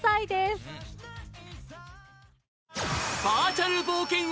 バーチャル冒険王